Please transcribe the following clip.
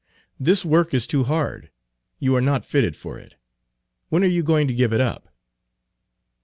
"This work is too hard; you are not fitted for it. When are you going to give it up?"